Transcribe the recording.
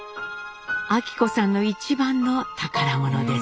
昭子さんの一番の宝物です。